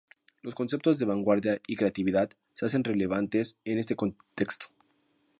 Los conceptos de vanguardia y creatividad se hacen relevantes en este contexto.